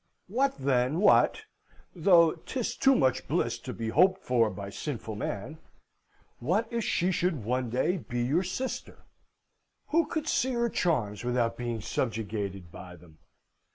"What, then, what though 'tis too much bliss to be hoped for by sinful man what, if she should one day be your sister? Who could see her charms without being subjugated by them?